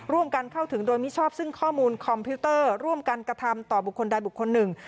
เข้าถึงโดยมิชอบซึ่งข้อมูลคอมพิวเตอร์ร่วมกันกระทำต่อบุคคลใดบุคคลหนึ่ง